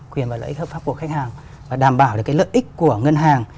quyền và lợi ích hợp pháp của khách hàng và đảm bảo được cái lợi ích của ngân hàng